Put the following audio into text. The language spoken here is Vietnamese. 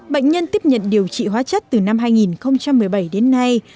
bệnh nhân tiếp nhận điều trị hóa chất từ năm hai nghìn một mươi bảy đến nay